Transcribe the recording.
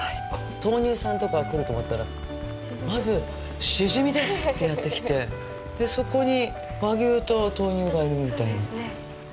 豆乳さんとかが来ると思ったらまずシジミですってやってきてそこに和牛と豆乳がいるみたいな。